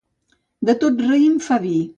De tot raïm fa vi.